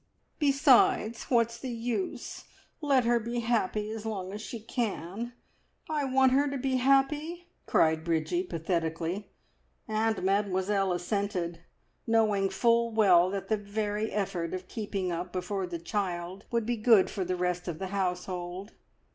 "Besides, what's the use? Let her be happy as long as she can! I want her to be happy!" cried Bridgie pathetically; and Mademoiselle assented, knowing full well that the very effort of keeping up before the child would be good for the rest of the household.